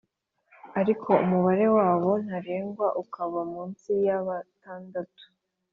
ariko umubare wabo ntarengwa ukaba munsi ya y’abatandatu